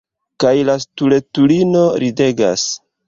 Kaj la stultulino ridegas.